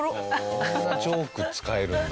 こんなジョーク使えるんだ。